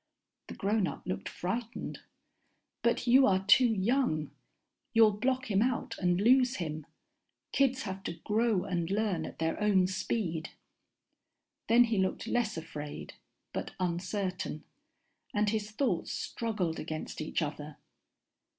_ The grownup looked frightened. But you are too young. You'll block him out and lose him. Kids have to grow and learn at their own speed. Then he looked less afraid, but uncertain, and his thoughts struggled against each other.